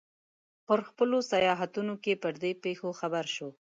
په خپلو سیاحتونو کې پر دې پېښو خبر شو.